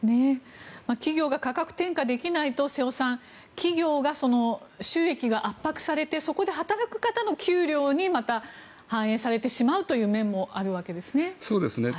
企業が価格転嫁できないと瀬尾さん、企業が収益が圧迫されてそこで働く方の給料にまた反映されてしまうという面もあるわけですね。